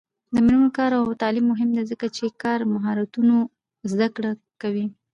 د میرمنو کار او تعلیم مهم دی ځکه چې کار مهارتونو زدکړه کوي.